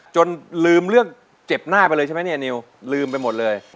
จนลืมเรื่องเจ็บหน้าไปเลยใช่ไหมเนี่ยนิวลืมไปหมดเลย